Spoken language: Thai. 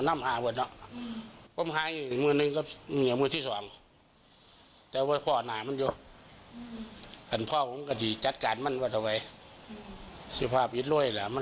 มันก็ให้ซึ้มทั้งวันตาแดงบอกว่า